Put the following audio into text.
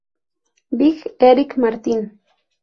Big, Eric Martin.